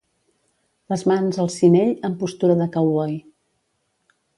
Les mans al cinyell en postura de cowboy.